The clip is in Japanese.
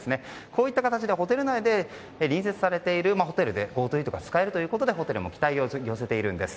こういった形でホテル内で隣接されたホテルでＧｏＴｏイートが使えるということでホテルも期待を寄せているんです。